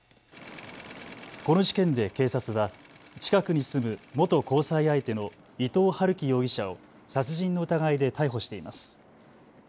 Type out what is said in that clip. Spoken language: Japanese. この事件で警察は近くに住む元交際相手の伊藤龍稀容疑者を殺人の疑いで逮捕しています。